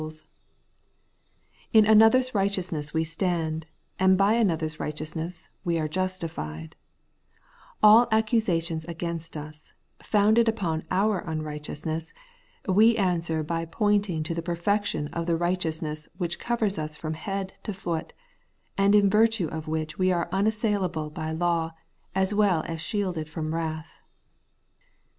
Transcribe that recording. The Holy Life of the Justified, 179 In another's righteousness we stand; and by another's righteousness are we justified All ac cusations against us, founded upon our unrighteous ness, we answer by pointing to the perfection of the righteousness which covers us from head to foot, and in virtue of which we are unassailable by law, as well as shielded from wrath.